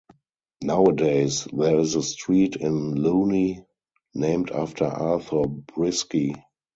Nowadays, there is a street in Louny named after Arthur Breisky.